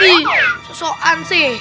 ih sosokan sih